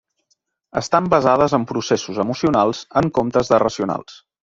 Estan basades en processos emocionals en comptes de racionals.